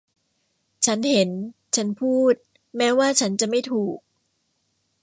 ฉันเห็นฉันพูดแม้ว่าฉันจะไม่ถูก